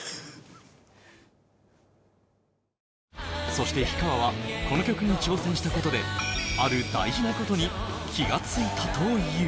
そして氷川は、この曲に挑戦したことで、ある大事なことに気づいたという。